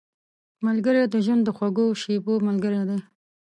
ملګری د ژوند د خوږو شېبو ملګری دی